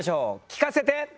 聞かせて。